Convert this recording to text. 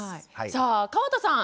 さあ川田さん